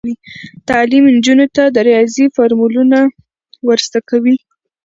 تعلیم نجونو ته د ریاضي فورمولونه ور زده کوي.